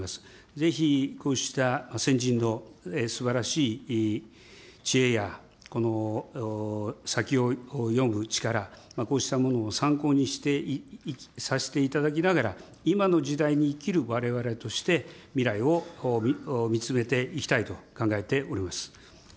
ぜひ、こうした先人のすばらしい知恵や、この先を読む力、こうしたものを参考にさせていただきながら、今の時代に生きるわれわれとして、未来を見つめていきたいと考えております。